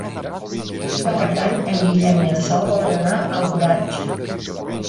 Per Cap d'Any en Guillem i en Sol volen anar a Alboraig.